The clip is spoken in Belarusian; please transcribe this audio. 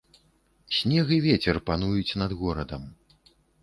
Снег і вецер пануюць над горадам.